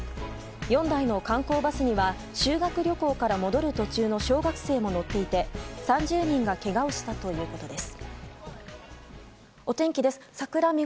４台の観光バスには修学旅行から戻る途中の小学生も乗っていて、３０人がけがをしたということです。